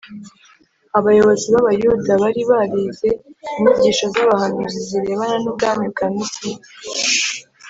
Abayobozi b’Abayuda bari barize inyigisho z’abahanuzi zirebana n’ubwami bwa Mesiya,